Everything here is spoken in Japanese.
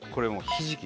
ひじき。